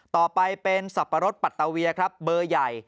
ต่อไปเป็นสับปะรดปัตตาเวียครับเบอร์ใหญ่